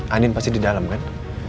angin pasti di dalam kan